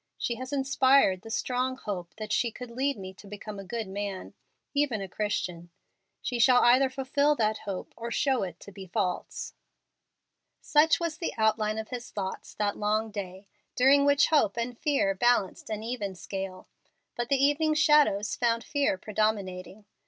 She has inspired the strong hope that she could lead me to become a good man even a Christian. She shall either fulfil that hope or show it to be false." Such was the outline of his thoughts that long day, during which hope and fear balanced an even scale. But the evening shadows found fear predominating.